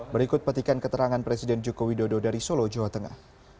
berikut petikan keterangan presiden joko widodo dari solo jawa tengah